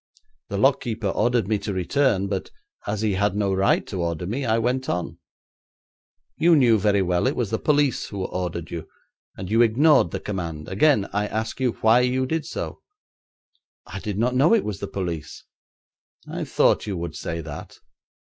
'The lock keeper ordered me to return, but as he had no right to order me, I went on.' 'You knew very well it was the police who ordered you, and you ignored the command. Again I ask you why you did so.' 'I did not know it was the police.' 'I thought you would say that.